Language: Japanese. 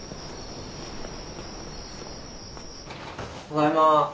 ただいま。